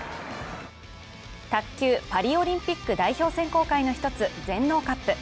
卓球、パリオリンピック代表選考会の１つ、全農カップ。